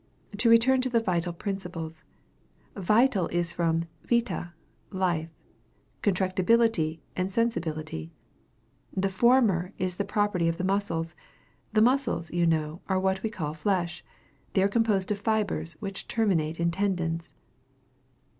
To return to the vital principles vital is from vita, life contractibility and sensibility. The former is the property of the muscles. The muscles, you know, are what we call flesh. They are composed of fibres, which terminate in tendons.